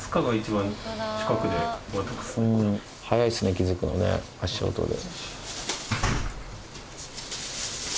早いっすね気付くのね足音で。